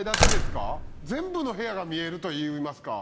全部の部屋が見えると言いますか。